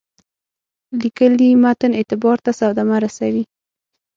لیکلي متن اعتبار ته صدمه رسوي.